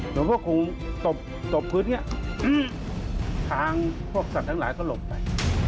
หลวงพ่อคงตบพื้นนี้ทางพวกสัตว์ทั้งหลายก็หลบไป